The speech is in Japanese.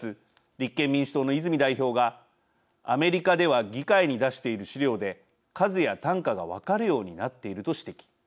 立憲民主党の泉代表がアメリカでは議会に出している資料で数や単価が分かるようになっていると指摘。